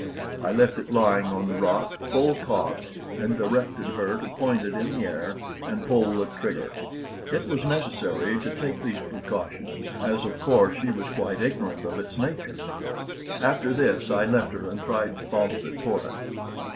I left it lying on the rock full cocked, and directed her to point it in the air and pull the trigger. It was necessary to take these precautions, as of course she was quite ignorant of its nature. After this I left her and tried to follow the torrent.